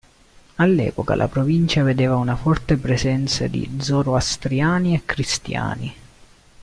All'epoca la provincia vedeva una forte presenza di zoroastriani e cristiani.